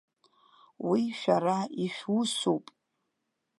Уи шәара ишәусуп.